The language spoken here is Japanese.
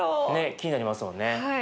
気になりますよね。